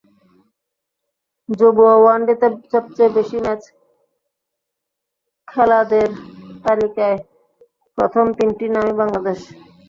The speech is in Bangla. যুব ওয়ানডেতে সবচেয়ে বেশি ম্যাচ খেলাদের তালিকায় প্রথম তিনটি নামই বাংলাদেশের।